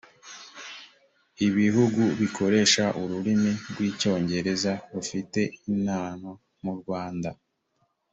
ibihugu bikoresha ururimi rwi cyongereza rufite inana mu rwanda